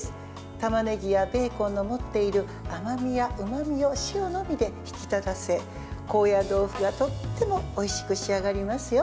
たまねぎやベーコンの持っている甘みやうまみを塩のみで引き立たせ、高野豆腐がとってもおいしく仕上がりますよ。